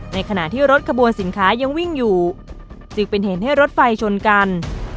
ในขณะที่รถขบวนสินค้ายังวิ่งอยู่จึงเป็นเหตุให้รถไฟชนกัน